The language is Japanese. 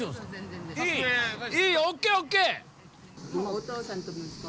お父さんと息子。